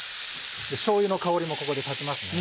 しょうゆの香りもここで立ちますね。